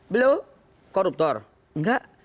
beliau koruptor enggak